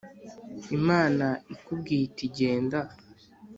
imana ikubwiye iti genda